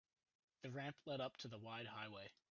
The ramp led up to the wide highway.